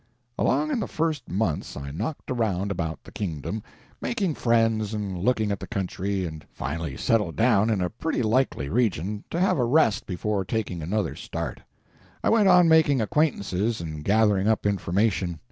Along in the first months I knocked around about the Kingdom, making friends and looking at the country, and finally settled down in a pretty likely region, to have a rest before taking another start. I went on making acquaintances and gathering up information.